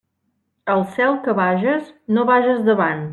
Al cel que vages, no vages davant.